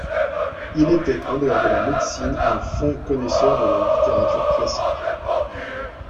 Il était, en dehors de la médecine, un fin connaisseur de la littérature classique.